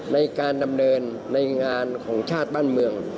ในการดำเนินในงานของชาติบ้านเมือง